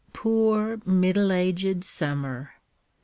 Poor middle agèd summer!